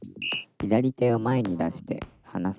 「左手を前に出してはなす」